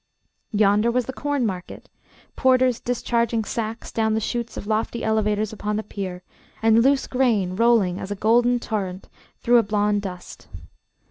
Yonder was the corn market: porters discharging sacks down the shoots of lofty elevators upon the pier, and loose grain rolling as a golden torrent through a blonde dust.